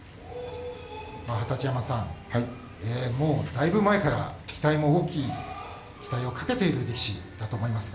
二十山さん、だいぶ前から期待をかけている力士だと思いますが。